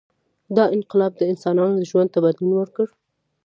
• دا انقلاب د انسانانو ژوند ته بدلون ورکړ.